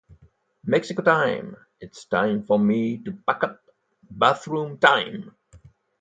Mexico time! It's time for me to pack up! Bathroom time!